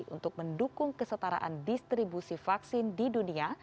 untuk mendukung kesetaraan distribusi vaksin di dunia